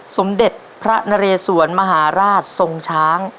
สมเด็จพระนเรสวนมหาราชทรงช้าง